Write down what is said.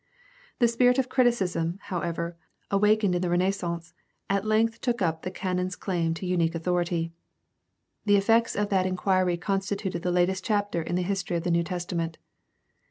The spirit of criticism, however, awakened in the Renaissance, at length took up the canon's claim to unique authority. The effects of that inquiry constitute the latest chapter in the history of the New Testament.